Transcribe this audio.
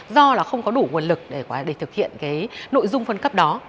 do là không có đủ nguồn lực để thực hiện cái nội dung phân cấp đó